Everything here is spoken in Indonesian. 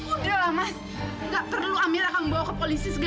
udahlah mas nggak perlu amira akan membawa ke polisi segala